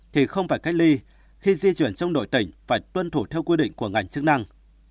thì không phải cách ly khi di chuyển trong nội tỉnh phải tuân thủ theo quy định của ngành chức năng